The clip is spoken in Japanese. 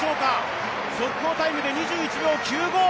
速報タイムで２１秒９５。